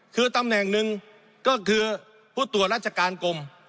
คือตำแหน่งหนึ่งก็คือผู้ตรวจราชการกรม